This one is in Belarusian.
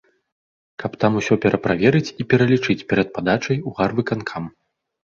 Каб там усё пераправерыць і пералічыць перад падачай у гарвыканкам.